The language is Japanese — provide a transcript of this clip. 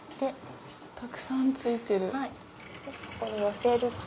たくさん付いてる。